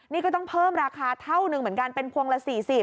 นี่ก็ต้องเพิ่มราคาเท่าหนึ่งเหมือนกันเป็นพวงละ๔๐